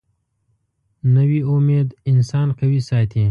نوې امید انسان قوي ساتي